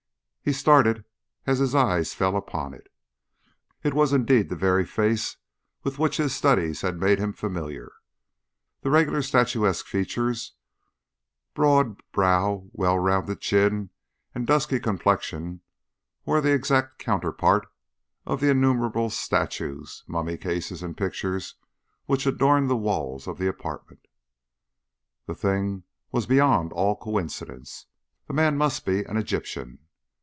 He started as his eyes fell upon it. It was indeed the very face with which his studies had made him familiar. The regular statuesque features, broad brow, well rounded chin, and dusky complexion were the exact counterpart of the innumerable statues, mummy cases, and pictures which adorned the walls of the apartment. The thing was beyond all coincidence. The man must be an Egyptian.